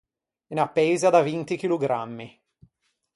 Unna peisa da vinti chillogrammi.